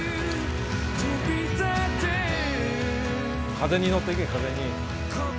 風に乗ってけ風に！